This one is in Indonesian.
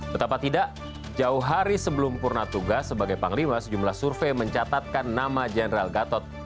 betapa tidak jauh hari sebelum purna tugas sebagai panglima sejumlah survei mencatatkan nama general gatot